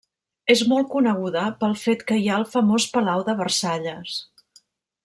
És molt coneguda pel fet que hi ha el famós palau de Versalles.